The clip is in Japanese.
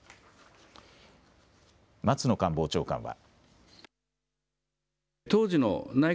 松野官房長官は。